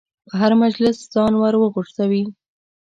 په هر مجلس ځان ورغورځوي.